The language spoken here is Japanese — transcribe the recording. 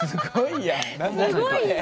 すごいや！